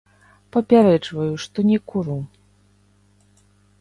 Папярэджваю, што не куру.